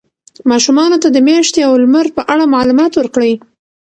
ماشومانو ته د میاشتې او لمر په اړه معلومات ورکړئ.